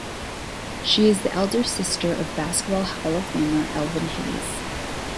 She is the elder sister of basketball Hall-of-Famer Elvin Hayes.